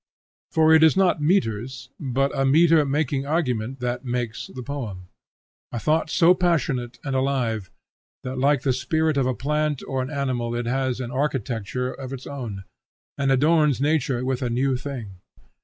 For it is not metres, but a metre making argument that makes a poem, a thought so passionate and alive that like the spirit of a plant or an animal it has an architecture of its own, and adorns nature with a new thing.